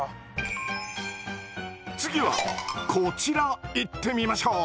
次はこちらいってみましょう！